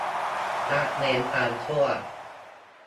ละเว้นความชั่ว